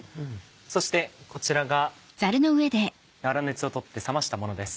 そしてこちらが粗熱を取って冷ましたものです。